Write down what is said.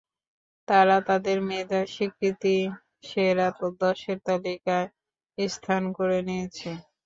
তারা তাদের মেধার স্বীকৃতি হিসেবে সেরা দশের তালিকায় স্থান করে নিয়েছে।